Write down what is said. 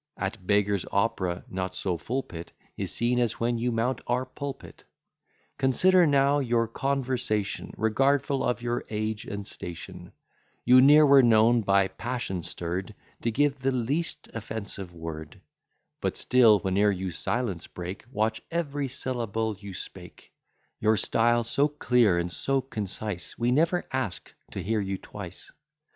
At Beggar's Opera not so full pit Is seen as when you mount our pulpit. Consider now your conversation: Regardful of your age and station, You ne'er were known by passion stirr'd To give the least offensive word: But still, whene'er you silence break, Watch every syllable you speak: Your style so clear, and so concise, We never ask to hear you twice.